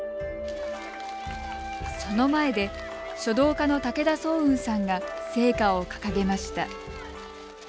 その前で、書道家の武田双雲さんが聖火を掲げました。